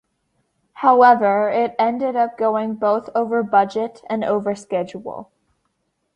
However, it ended up going both over budget and over schedule.